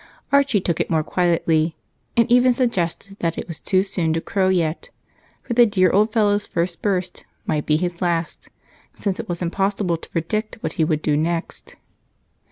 Archie took it more quietly, and even suggested that it was too soon to crow yet, for the dear old fellow's first burst might be his last, since it was impossible to predict what he would do next.